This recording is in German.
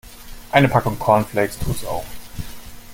Eine Packung Cornflakes tut's auch.